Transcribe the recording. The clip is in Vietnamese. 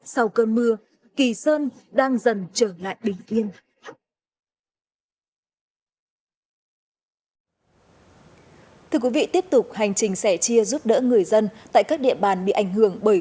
sau cơn mưa kỳ sơn đang dần trở lại bình yên